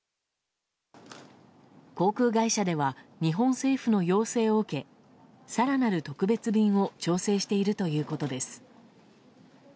航空会社では日本政府の要請を受け更なる特別便を調整しているということです。